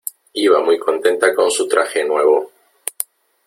Iba muy contenta con su traje nuevo.